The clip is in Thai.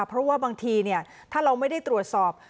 เพราะว่าบางทีถ้าเราไม่ได้ตรวจสอบ